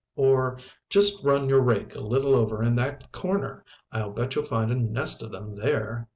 Or: "Just run your rake a little over in that corner. I'll bet you'll find a nest of them there."